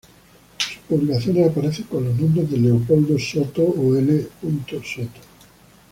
Sus publicaciones aparecen con los nombres: Leopoldo Soto o L. Soto.